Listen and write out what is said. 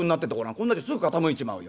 こんなうちすぐ傾いちまうよ。